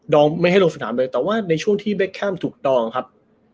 ไม่ให้ลงสนามเลยแต่ว่าในช่วงที่เบคแคมถูกดองครับ